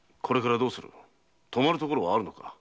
泊まるところはあるのか？